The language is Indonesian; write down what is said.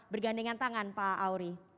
bergandengan tangan pak auri